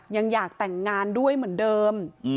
ยังอยากแต่งงานด้วยเหมือนเดิม